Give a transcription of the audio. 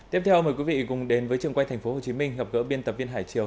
tiếp theo mời quý vị cùng đến với trường quay tp hcm gặp gỡ biên tập viên hải triều